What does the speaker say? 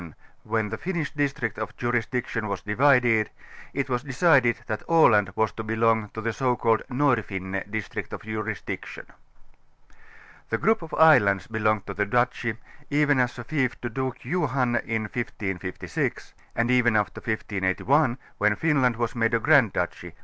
In 1435, when the Finnish district of jurisdiction was divided, it was decided that Aland was to belong to the so called ŌĆ×N'orfinne" district of jurisdiction. The group of islands belonged to the Duchy, given as a fief to Duke Johan in 1556, and even after 1581 when Finland was made a G rand Duchy.